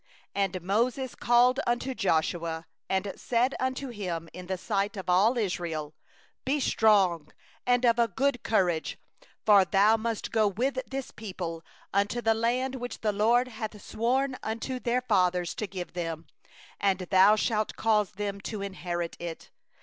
7And Moses called unto Joshua, and said unto him in the sight of all Israel: 'Be strong and of good courage; for thou shalt go with this people into the land which the LORD hath sworn unto their fathers to give them; and thou shalt cause them to inherit it.